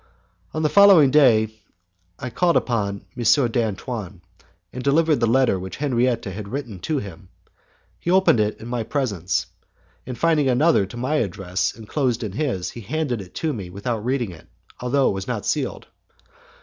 On the following day I called upon M. d'Antoine, and delivered the letter which Henriette had written to him. He opened it in my presence, and finding another to my address enclosed in his, he handed it to me without reading it, although it was not sealed.